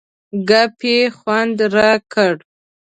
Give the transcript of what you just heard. ګپ یې خوند را کړ.